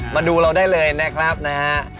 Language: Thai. มาดูเราได้เลยนะครับนะฮะ